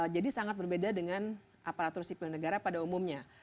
jadi sangat berbeda dengan aparatur sipil negara pada umumnya